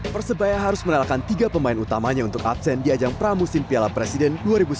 persebaya harus menelakan tiga pemain utamanya untuk absen di ajang pramusim piala presiden dua ribu sembilan belas